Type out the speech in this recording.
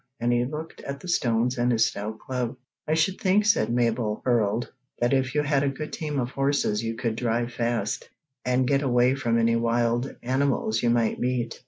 and he looked at the stones and his stout club. "I should think," said Mabel Herold, "that if you had a good team of horses you could drive fast and get away from any wild animals you might meet."